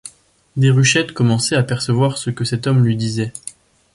Déruchette commençait à percevoir ce que cet homme lui disait.